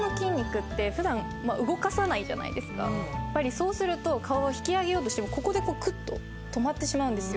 そうすると顔を引き上げようとしてもここでクッと止まってしまうんですよ。